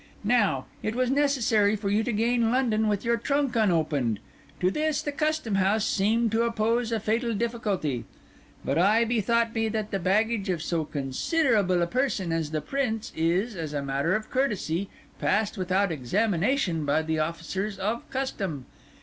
Now, it was necessary for you to gain London with your trunk unopened. To this the Custom House seemed to oppose a fatal difficulty; but I bethought me that the baggage of so considerable a person as the Prince, is, as a matter of courtesy, passed without examination by the officers of Custom.